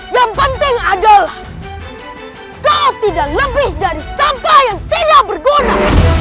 yang penting adalah kau tidak lebih dari sampah yang tidak berguna